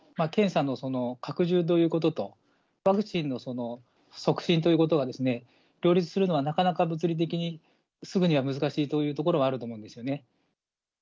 検査の拡充ということと、ワクチンの促進ということが両立するのはなかなか物理的に、すぐには難しいというところはあると思うんですよね。